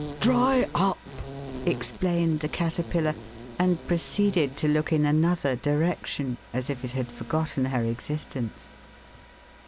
Dry up," explained the Caterpillar, and proceeded to look in another direction, as if it had forgotten her existence.